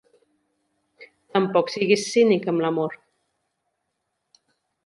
Tampoc siguis cínic amb l'amor.